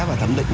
và thẩm định